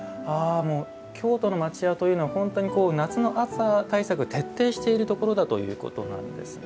京都の町家というのは本当に夏の暑さ対策徹底しているところだということなんですね。